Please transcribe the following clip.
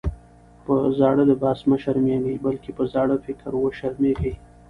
په زاړه لباس مه شرمېږئ! بلکي په زاړه فکر وشرمېږئ.